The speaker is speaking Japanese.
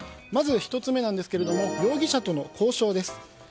まず１つ目なんですが容疑者との交渉です。